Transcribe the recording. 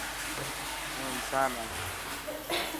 هون انسان هان.